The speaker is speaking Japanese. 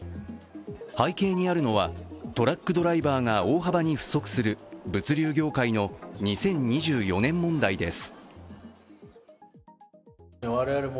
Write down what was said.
背景にあるのは、トラックドライバーが大幅に不足する物流業界の２０２４年問題です。